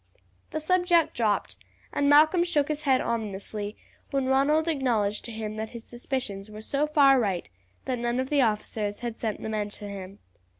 The subject dropped, and Malcolm shook his head ominously when Ronald acknowledged to him that his suspicions were so far right that none of the officers had sent the men to him.